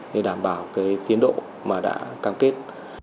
để đảm bảo tiến độ đã cam kết